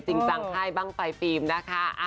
จิงจังใครบ้างไฟฟรีมนะคะ